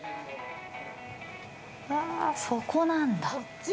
そこなんだ。